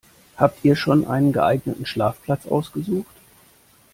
Habt ihr schon einen geeigneten Schlafplatz ausgesucht?